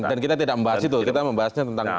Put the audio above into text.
dan kita tidak membahas itu kita membahasnya tentang